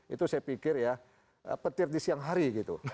itu saya pikir ya petir di siang hari gitu